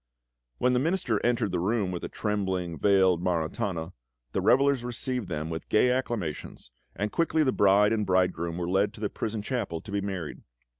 When the Minister entered the room with the trembling, veiled Maritana, the revellers received them with gay acclamations, and quickly the bride and bridegroom were led to the prison chapel to be married.